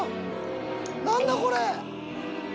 何だこれ！